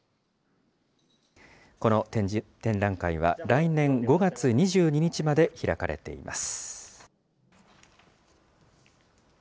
この展示展覧会は、来年５月２２日まで開かれています。